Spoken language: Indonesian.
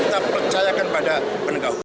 kita percayakan pada penegak hukum